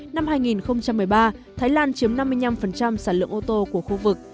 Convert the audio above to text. năm hai nghìn một mươi ba thái lan chiếm năm mươi năm sản lượng ô tô của khu vực